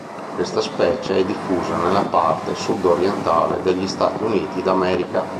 Questa specie è diffusa nella parte sud-orientale degli Stati Uniti d'America.